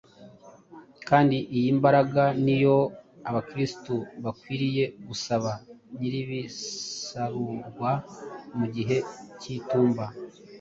kandi iyi mbaraga ni yo Abakristo bakwiriye gusaba Nyiribisarurwa ” mu gihe cy’itumba”.